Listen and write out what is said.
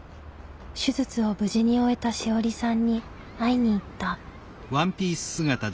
手術を無事に終えた志織さんに会いに行った。